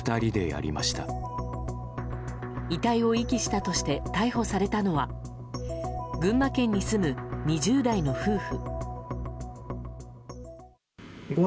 遺体を遺棄したとして逮捕されたのは群馬県に住む２０代の夫婦。